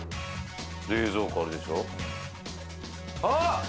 冷蔵庫あるでしょ。